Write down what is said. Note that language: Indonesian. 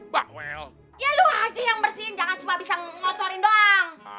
bah well ya lo aja yang bersihin jangan cuma bisa ngotorin dong ya